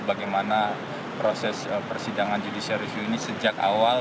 bagaimana proses persidangan judisial ini sejak awal